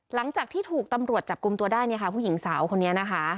หลังจากที่ถูกตำรวจจับกลุ่มตัวได้เนี่ยค่ะผู้หญิงสาวคนนี้นะคะ